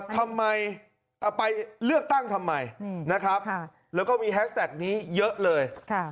ทำไมไปเลือกตั้งทำไมนะครับแล้วก็มีแฮสแท็กนี้เยอะเลย